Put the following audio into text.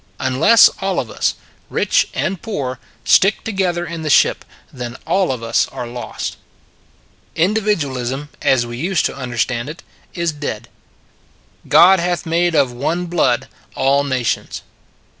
Unless all of us, rich and poor, stick to gether in the ship, then all of us are lost. 26 It s a Good Old World Individualism, as we used to understand it, is dead. " God hath made of one blood all na tions."